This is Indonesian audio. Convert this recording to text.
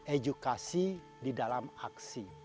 edukasi di dalam aksi